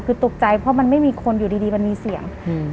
คือตกใจเพราะมันไม่มีคนอยู่ดีมันมีเสียง